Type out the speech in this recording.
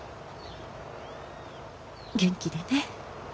元気でね。